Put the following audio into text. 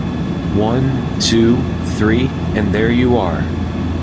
One, two, three, and there you are!